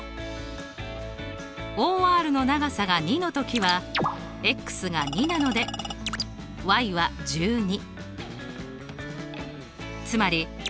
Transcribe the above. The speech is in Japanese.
ＯＲの長さが２のときはが２なのでは１２。